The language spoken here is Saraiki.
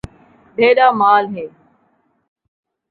بھیݙا مال ہے